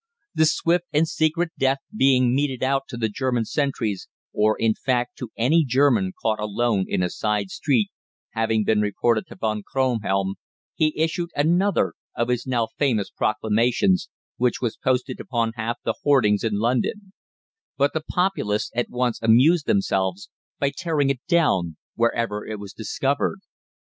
The swift and secret death being meted out to the German sentries or, in fact, to any German caught alone in a side street having been reported to Von Kronhelm, he issued another of his now famous proclamations, which was posted upon half the hoardings in London; but the populace at once amused themselves by tearing it down wherever it was discovered.